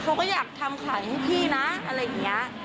เขาก็อยากทำขายให้พี่นะอะไรอย่างนี้